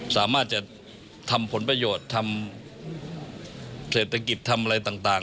สามารถจะทำผลประโยชน์ทำเศรษฐกิจทำอะไรต่าง